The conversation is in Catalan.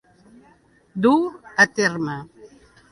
Dur a terme.